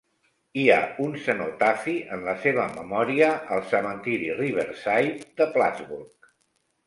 Hi ha un cenotafi en la seva memòria al cementiri Riverside de Plattsburgh.